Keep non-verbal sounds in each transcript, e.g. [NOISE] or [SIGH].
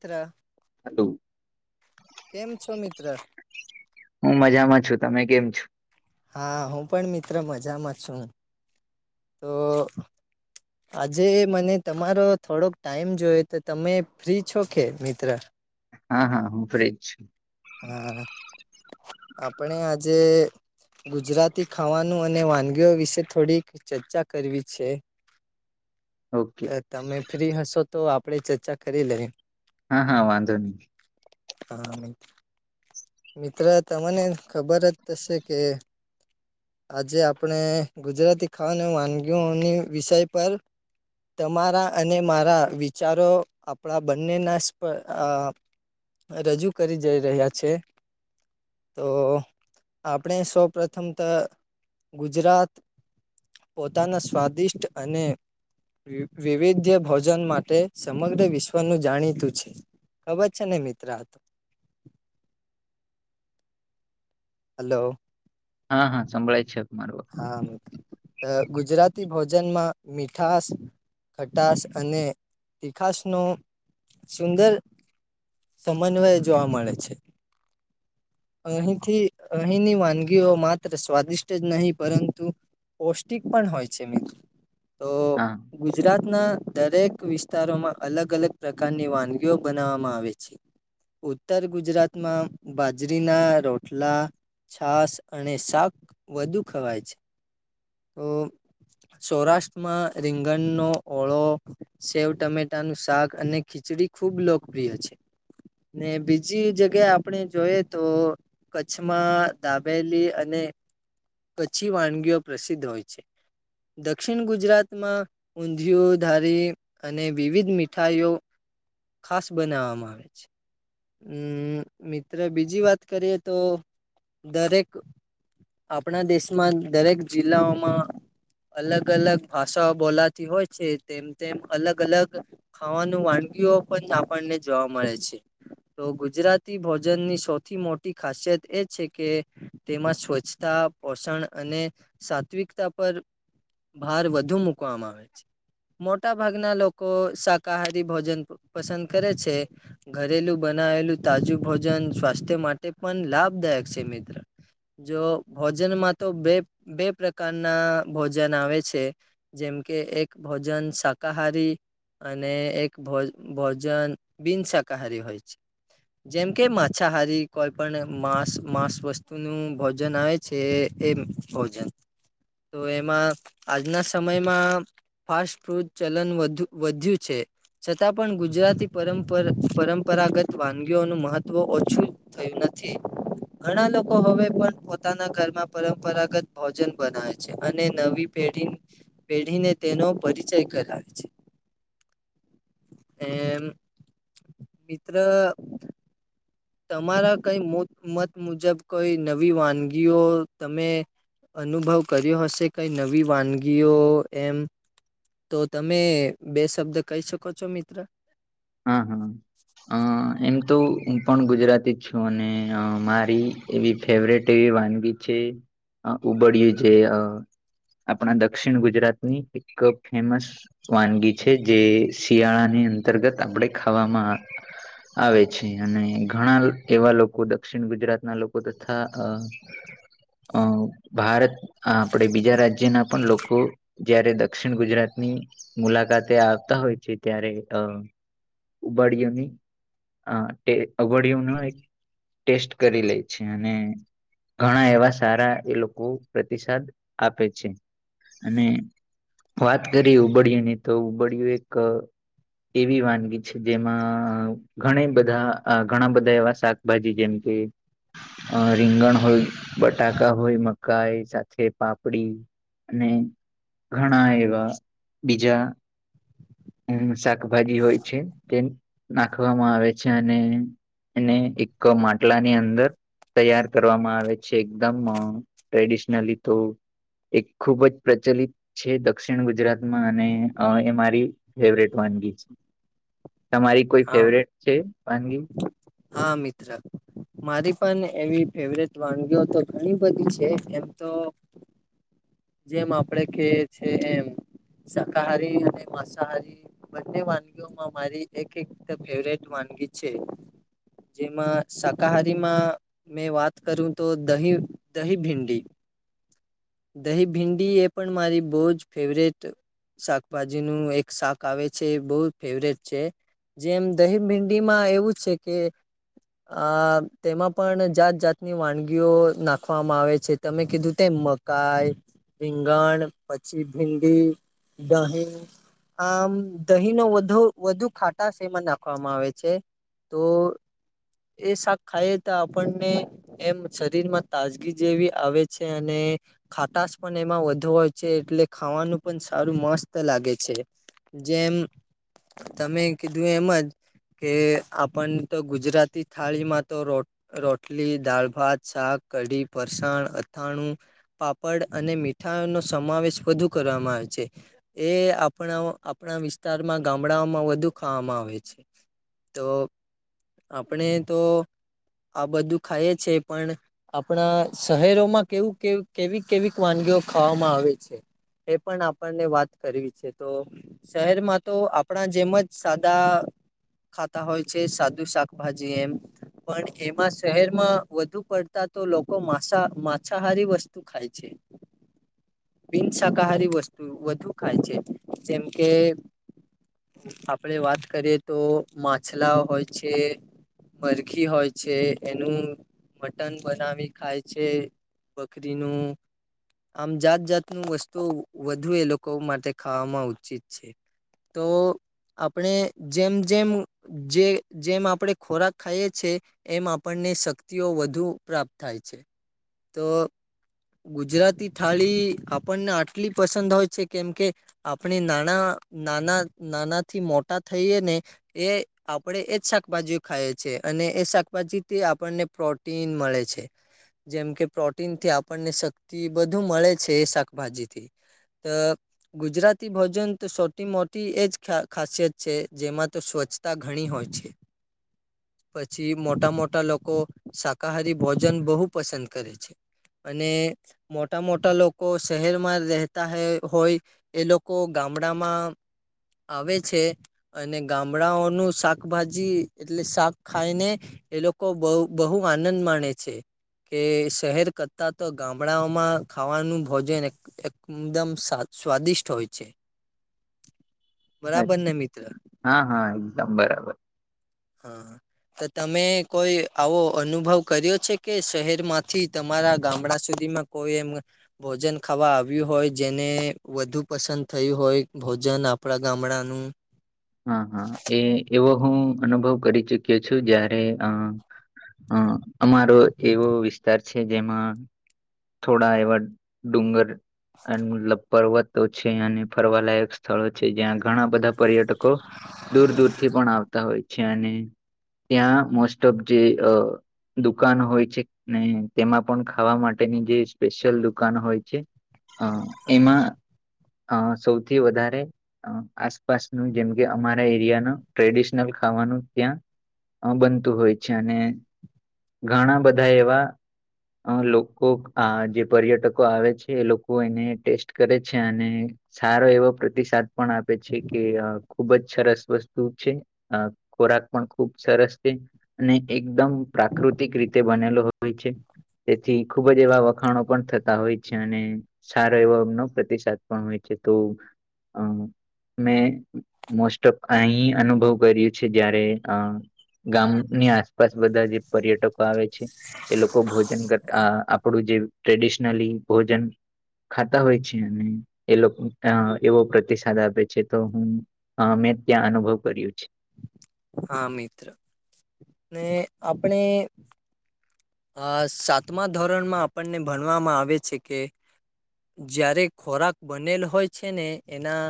ખત્ર hello. કેમ છો મિત્ર હું મજામાં છું. તમે કેમ છો? હા હું પણ મિત્ર મજામાં છું. તો આજે મને તમારો થોડોક ટાઈમ જોઈ તો, તમે ફ્રી છો કે મિત્ર? હા, હા હું ફ્રી જ છું. હા. આપણે આજે ગુજરાતી ખાવાનું અને વાનગીઓ વિશે થોડીક ચર્ચા કરવી છે. [INAUDIBLE] ઓકે. તમે ફ્રી હશો તો આપડે ચર્ચા કરી લઈએ. હા, હા વાંધો નહી. હા નહિં. મિત્ર તમને ખબર જ હશે કે આજે આપણે ગુજરાતી ખાવાની વાનગીઓની વિષય પર તમારા અને મારા વિચારો આપણા બંનેના સ્પ અહ રજૂ કરી જઈ રહ્યા છે. તો આપણે સૌ પ્રથમ તો ગુજરાત પોતાના સ્વાદિષ્ટ અને વિવ વિવિધ્ય ભોજન માટે સમગ્ર વિશ્વનું જાણીતું છે. ખબર છે ને મિત્ર આ તો? હલો. હા, હા સંભળાય છે [UNINTELLIGIBLE] હા મિત્ર. તો ગુજરાતી ભોજનમાં મીઠાસ ખટાશ અને તીખાશ નો સુંદર સમન્વય જોવા મળે છે. અહીથીં અહીંની વાનગીઓ માત્ર સ્વાદિષ્ટ જ નહીં, પરંતુ પૌષ્ટિક પણ હોય છે મિત હા. ગુજરાતના દરેક વિસ્તારોમાં અલગ-અલગ પ્રકારની વાનગીઓ બનાવવામાં આવે છે. ઉત્તર ગુજરાતમાં બાજરીના રોટલા છાશ, અને શાક વધુ ખવાય છે. તો સૌરાષ્ટમાં રીંગણનો ઓળો સેવ ટમેટાનું શાક અને ખીચડી ખુબ લોકપ્રિય છે. ને બીજી જગ્યા આપણે જોઈએ તો કચ્છમાં દાબેલી અને કચ્છી વાનગીઓ પ્રસિદ્ધ હોય છે. દક્ષિણ ગુજરાતમાં ઊંધિયું, ધારી અને વિવિધ મીઠાઈઓ ખાસ બનાવવામાં આવે છે. અમ્મ મિત્ર બીજી વાત કરીએ તો દરેક આપણા દેશમાં દરેક જિલ્લાઓમાં અલગ-અલગ ભાષાઓ બોલાતી હોય છે, તેમ-તેમ અલગ-અલગ ખાવાનું વાનગીઓ પણ આપણને જોવા મળે છે. તો ગુજરાતી ભોજનની સૌથી મોટી ખાસિયત એ છે કે તેમાં સ્વચ્છતા, પોષણ અને સાત્વિકતા પર ભાર વધુ મકવામાં આવે છે. મોટા ભાગના લોકો શાકાહારી ભોજન પસંદ કરે છે. ઘરેલું બનાવેલું તાજું ભોજન સ્વાસ્થ્ય માટે પણ લાભદાયક છે મિત્ર. જો ભોજનમાં તો બે-બે પ્રકારના ભોજન આવે છે જેમ કે એક ભોજન શાકાહારી અને એક ભો ભોજન બિનશાકાહારી હોય છે. જેમ કે માછાહારી કોઈ પણ માંસ-માંસ વસ્તુ નું ભોજન આવે છે એ ભોજન તો એમાં આજના સમયમાં ફાસ્ટ ફૂડ ચલન વધ્યું છે છતાં પણ ગુજરાતી પરંપરા પરંપરાગત વાનગીઓનું મહત્વ ઓછું થયું નથી ઘણા લોકો હવે પણ પોતાના ઘરમાં પરંપરાગત ભોજન બનાવે છે અને નવી પેઢીને તેનો પરિચય કરાવે છે એમમ મિત્ર તમારા કઈ મત મુજબ કોઈ નવી વાનગીઓ તમે અનુભવ કર્યો હશે કઈ નવી વાનગીઓ એમ તો તમે બે શબ્દ કહી શકો છો મિત્ર હા હા અ એમ તો હું પણ ગુજરાતી જ છું અને મારી એવી ફેવરેટ એવી વાનગી છે ઉબડય્યું જે આપણા દક્ષિણ ગુજરાત ની એક ફેમસ વાનગી છે જે શિયાળાની અંતર્ગત આપણે ખાવામાં આવે છે અને ઘણા એવા લોકો દક્ષિણ ગુજરાતના લોકો તથા અ [INAUDIBLE] અ ભારત આપણેે બીજા રાજ્યના પણ લોકો જયારે દક્ષિણ ગુજરાતની મુલાકાતે આવતા હોય છે ત્યારે અ ઉબાડીયોની અ ઉબાડીઓ ન એક ટેસ્ટ કરી લે છે અને ઘણા એવા સારા એ લોકો પ્રતિસાદ આપે છે અને વાત કરી ઉબડિયો ની તો ઉબડિયયો એક એવી વાનગી છે જેમાં ઘણી બધા ઘણા બધા એવા શાકભાજી જેમ કે અ રીંગણ હોય બટાકા હોય મકાઈ સાથે પાપડી અને ઘણા એવા બીજા હમ્મ શાકભાજી હોય છે તે નાખવામાં આવે છે અને અને એક માટલા ની અંદર તૈયાર કરવામાં આવે છે એકદમ ટ્રેડિશનલી તો એ ખુબ જ પ્રચલિત છે દક્ષિણ ગુજરાતમાં અને એ મારી ફેવરેટ વાનગી છે તમારી કોઈ હા ફેવરેટ છે વાનગી હા મિત્ર મારી પણ એવી ફેવરેટ વાનગીઓ તો ઘણી બધી છે એમ તો જેમ આપડે કે છે એમ શાકાહારી અને માંસાહારી બંને વાનગીઓમાં મારી એક એક ફેવરેટ વાનગી છે જેમાં શાકાહારી માં મેં વાત કરું તો દહી દહી ભિંડી દહી ભિંડી એ પણ મારી બહુ જ ફેવરેટ શાકભાજી નું એક શાક આવે છે બહ ફેવરેટ છે જેમ દહી ભિંડી માં એવું છે કે આ તેમાં પણ જાત જાતની વાનગીઓ નાખવામાં આવે છે તમે કીધું તેમ મગ કાય રીંગણ પછી ભીંડી દહીં આમ દહીં નુ વધુ વધુ ખાટા સેમન નાખવામાં આવે છે તો એ શાક ખાઈ તો આપણને એમ શરીર માં તાજગી જેવી આવે છે અને ખાટશ પણ એમાં વધુ હોય છે એટલે ખાવાનું પણ સારું મસ્ત લાગે છે જેમ તમે કીધું એમજ કે આપણ તો ગુજરાતી થાળી માં તો રો રોટલી દળ ભાત શાક કઢી ફરસાણ અથાણું પળ અને મીઠાઈ નો સમાવેશ વધુ કરવામાં આવે છે. એ આપણા આપણા વિસ્તારમાં ગામડાઓમાં વધુ ખાવામાં આવે છે. તો આપણે તો આ બધું ખાય છે, પણ આપણા શહેરોમાં કેવું કે કેવી કેવી વાનગીઓ ખાવામાં આવે છે, એ પણ આપણને વાત કરવી છે, તો શહેરમાં તો આપણા જેમ જ સાદા ખાતા હોય છે, સાદુ શાકભાજી એમ પણ એમાં શહેરમાં વધુ પડતા તો લોકોસા માસાહારી વસ્તુ તું ખાય છે. બિન શાકાહારી વસ્તુ વધુ ખાય છે, જેમકે આપડ વાત કરીએ તો માછલા હોય છે. મરખી હોય છે એનું મટન બનાવી ખાય છે. કરીરીનું આમ જાત જાતનું વસ્તુ વધુ એ લોકો માટે ખાવામાં ઉચિત છે. તો આપણે જેમ જેમ જે જેમ આપણેે ખોરાક ખાઈએ છ છે. એમ આપણને શક્તિઓ વધુ પ્રાપ્ત થાય છે. તો ગુજરાતી થાળી આપણને આટલી પસંદ હોય છે, કેમ કે આપણે નાના નાના નાના થી મોટા થઈએ ને એ આપણેે એજ શાકભાજીઓ ખાઈએ છે, અને એ શાકભાજી થી આપણને પ્રો પ્રન મળે છે જેમ કે પ્ર પ્રનથી આપણને શક્તિ બધું મળે છે, એ શાકભાજીથી ગુજરાતી ભોજન તો સૌટી મોટી એજ ખાસિયત છે, જેમાં તો સ્વચ્છતા ઘણી હોય છે. [INAUDIBLE] પછી મોટા મોટા લોકો શાકાહારી ભોજન બહુ પસંદ કરે છે. અને મોટા મોટા લોકો શહેરમાં રહેતા હોય એ લોકો ગામડામાં આવે છે. અને ગામડાઓનું શાકભાજી એટલે શાક ખાઈને એ લોકો બહ બહુ આનંદ માણે છે, કે શહેર કરતા તો ગામડાઓમાં ખાવાનું ભોજન એકદમ સ્વાદિષ્ટ હોય છે. બરાબર અચ્છા. ને મિત્ર હા હા એકદમ બરાબર હા તો તમે કોઈ આવો અનુભવ કર્યો છે, કે શહેર માંથી તમારા ગામડા સુધીમાં કોઈ એમ ભોજન ખાવા આવ્યું હોય જેને વધુ પસંદ થયું હોય ભોજન આપણા ગામડાનું હા હા એ એવો હું અનુભવ કરી ચુક્યો છું જયારે અ હ અમારો એવો વિસ્તાર છે, જેમાં થોડા એવા ડુંગર અને મતલબ પર્વતો છે, અને ફરવાલાયક સ્થળો છે, જ્યાં ઘણા બધા પર્યટકો લોકો દૂર દૂર થી પણ આવતા હોય છે, અને ત્યાં મોસ્ટ ઓફ જે દુકાન હોય છે, ને તેમાં પણ ખાવા માટેની જે સ્પેશિયલ દુકાન હોય છે. અ એમાં સૌથી વધારે આસપાસનું જેમ કે અમારા એરિયાનું ટ્રેડિશનલ ખાવાનું ત્યાં બનતું હોય છે, અને ઘણા બધા એવા લોકો આ જે પર્યટકો આવે છે એ લોકો એને ટેસ્ટ કરે છે, અને સારો એવો પ્રતિસાદ પણ આપે છે, કે ખુબ જ સરસ વસ્તુ છે. અ ખોરાક પણ ખુબ સરસ છે અને એકદમ પ્રા કૃતિક રીતે બનેલો હોય છે. તેથી ખુબ જ એવા વખાણો પણ થતા હોય છે અને સારો એવો એમનો પ્રતિસાદ પણ હોય છે તો અ મેં મોસ્ટ ઓફ અહી અનુભવ કર્યું છે જયારે અ ગામની આસપાસ બધા જે પર્યટકો આવે છે. એ લોકો ભોજન કરતા આપણું જે ટ્રેડિશનલી ભોજન ખાતા હોય છે એ લોક એવો પ્રતિસાદ આપે છે તો હું હા મેં ત્યાં અનુભવ કર્યું છે. હા મિત્ર ને આપણે અ સાતમા ધોરણમાં આપણને ભણવામાં આવે છે કે જયારે ખોરાક બનેલ હોય છે ને એના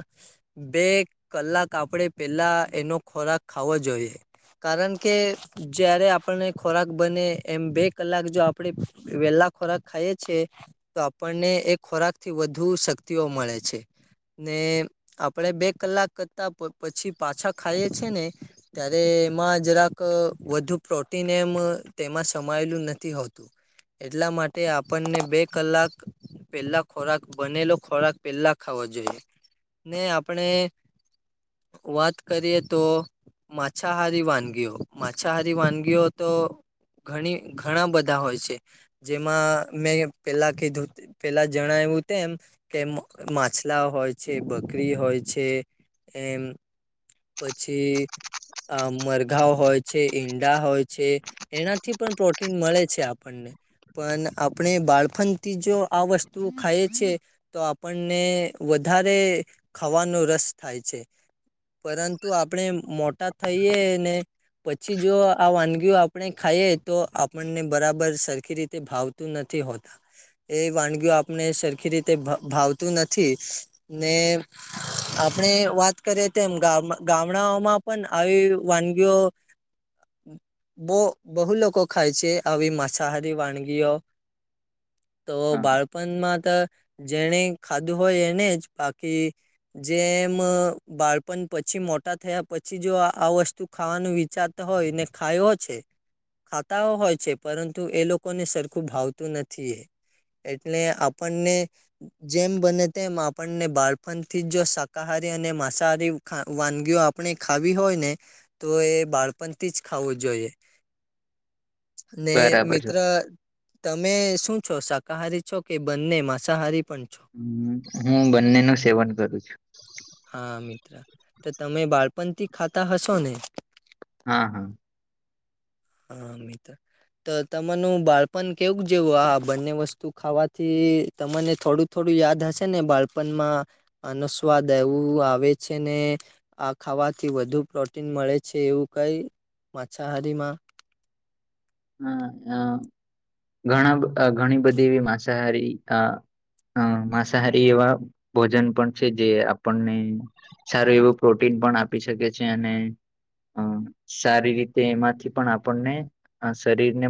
બે કલાક આપણે પેલા એનો ખોરાક ખાવો જોઈએ કારણ કે જય્યારે આપણને ખોરાક બને એમ બે કલાક જો આપડે વેલા ખોરાક ખાઈએ છીએ તો આપણને એ ખોરાક થી વધુ શક્તિઓ મળે છે. ને આપણે બે કલાક કરતા પછી પાછા ખાઈએ છે ને ત્યારે એમાં જરાક વધુ પ્રોટીન એમ તેમાં સમાયેલું નથી એટલા માટે આપણને બે કલાક પેલા ખોરાક બનેલો ખોરાક પેલા ખાવો જોઈએ ને આપણે વાત કરીએ તો માછાહારી વાનગીઓ માછાહારી વાનગીઓ તો ઘણી ઘણા બધા હોય છે જેમાં મેં પેલા કીધુ પેલા જણાયું તેમ કે માછલા હોય છે બકરી હોય છે એમ પછી અ મરઘાઓ હોય છે ઈંડા હોય છે એનાથી પણ પ્રો ટીન મળે છે આપણને પણ આપણે બાળફણથી જો આ વસ્તુ ખાઈએ છે તો આપણને વધારે ખાવાનો રસ થાય છે. પરંતુ આપણેે મોટા થઈયએ ને પછી જો આ વાનગીઓ આપણે ખાઈએ તો આપણને બરાબર સરખી રીતે ભાવતું નથી હોતું એ વાનગીઓ આપને સરખી રીતે ભાવતી નથી ને આપણે વાત કરીએ તેમ ગામ ગામડાઓમાં પણ આવી વાનગીઓ બો બહુલોકો ખાય છે આવી માસાહારી વાનગીઓ તો હા બાળપણમાં તો જેને ખાધું હોય એને જ બાકી જેમ બાળપણ પછી મોટા થયા પછી જો આ વસ્તુ ખાવાનું વિચારતા હોય ને ખાયો છે ખાતાઓ હોય છે પરંતુ એ લોકોને સરખું ભાવતું નથી એ એટલે આપણને જેમ બને તેમ આપણને બાળપણ થી જો શાકાહારી અને માંસાહારી વાનગીઓ આપણે ખાવી હોય ને તો એ બાળપણથી જ ખાવું જોઈએ. ને બરાબર છે મિત્ર તમે શું છો શાકાહારી છો કે બંને માંસાહારી પણ છો હ હું બંને નું સેવન કરું છું. હા મિત્ર તો તમે બાળપણ થી ખાતા હશો ને હા હા. હમે તો તો તમાર બાળપણ કેવું જેવું આ બંને વસ્તુ ખાવાથી તમને થોડું થોડું યાદ હશે ને બાળપણમાં અનુસ્વાદ એવું આવે છે ને આ ખાવાથી વધુ પ્રોટીન મળે છે એવું કઈ માછાહારીમાં. હ અ ઘણા ઘણી બધી એવી માંસાહારી અ હ માંસાહારી એવા ભોજન પણ છે જે આપણને સારું એવું પ્રોટીન પણ આપી શકે છે અને હમ સારી રીતે એમાંથી પણ આપણને શરીર ને